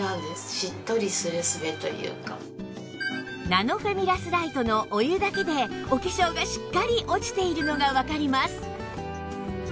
ナノフェミラスライトのお湯だけでお化粧がしっかり落ちているのがわかります